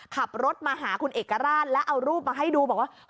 ขับรถมาหาคุณเอกราชแล้วเอารูปมาให้ดูบอกว่า